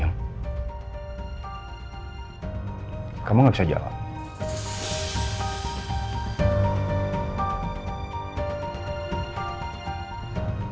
mengingat kucai kiesi kalau mimpimu